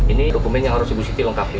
ini dokumen yang harus ibu siti lengkapi